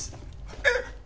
えっ！？